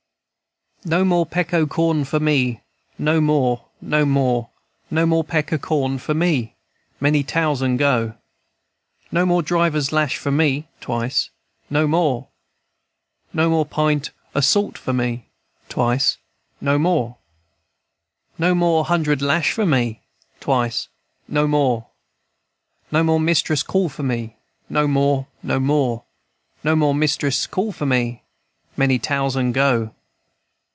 "No more peck o' corn for me, No more, no more, No more peck o' corn for me, Many tousand go. "No more driver's lash for me, (Twice.) No more, &c. "No more pint o' salt for me, (Twice.) No more, &c. "No more hundred lash for me, (Twice.) No more, &c. "No more mistress' call for me, No more, no more, No more mistress' call for me, Many tousand go."